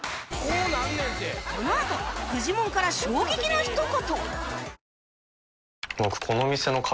このあとフジモンから衝撃の一言